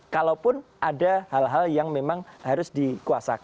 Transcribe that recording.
kalaupun ada hal hal yang memang harus dikuasai